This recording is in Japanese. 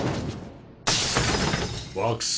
惑星